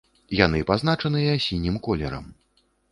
Яны пазначаныя сінім колерам.